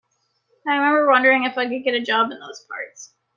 I remember wondering if I could get a job in those parts.